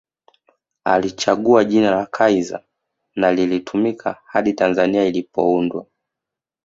Alichagua jina la Kaiser na lilitumika hadi Tanzania ilipoundwa